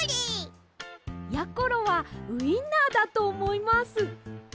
やころはウインナーだとおもいます。